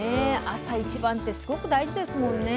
朝一番ってすごく大事ですもんね。